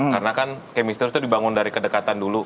karena kan chemistry itu dibangun dari kedekatan dulu